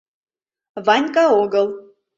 — Ванька огыл...